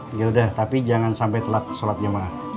gila udah tapi jangan sampai telat sholat yamaah